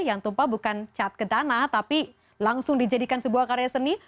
yang tumpah bukan cat ke dana tapi langsung dijadikan sebuah karya seni